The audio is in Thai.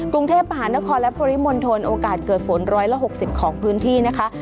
กรุงเทพมหานครและปริมณฑลโอกาสเกิดฝน๑๖๐ของพื้นที่นะคะ